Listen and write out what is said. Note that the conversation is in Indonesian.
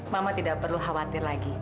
mama tidak perlu khawatir lagi